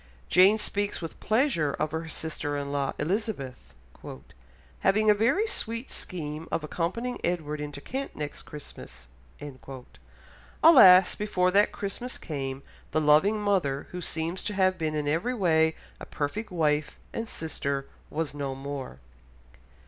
Jane speaks with pleasure of her sister in law, Elizabeth, "having a very sweet scheme of accompanying Edward into Kent next Christmas." Alas, before that Christmas came, the loving mother, who seems to have been in every way a perfect wife and sister, was no more.